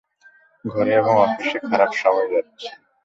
ঘরে এবং অফিসে খারাপ সময় যাচ্ছে।